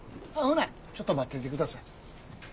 ほなちょっと待っててください。